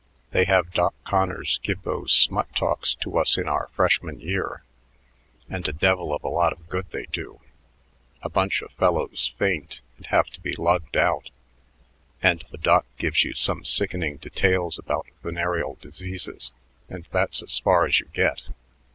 They have Doc Conners give those smut talks to us in our freshman year, and a devil of a lot of good they do. A bunch of fellows faint and have to be lugged out, and the Doc gives you some sickening details about venereal diseases, and that's as far as you get.